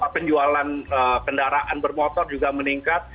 penjualan kendaraan bermotor juga meningkat